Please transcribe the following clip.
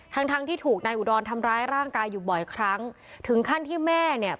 ทั้งทั้งที่ถูกนายอุดรทำร้ายร่างกายอยู่บ่อยครั้งถึงขั้นที่แม่เนี่ย